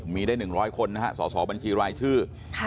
มีได้๑๐๐คนนะฮะสอสอบัญชีรายชื่อ